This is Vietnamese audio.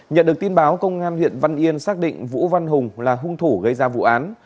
nhận được tin báo công an huyện văn yên xác định vũ văn hùng là hung thủ gây ra vụ án